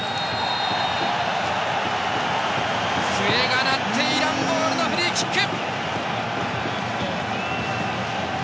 笛が鳴ってイランボールのフリーキック！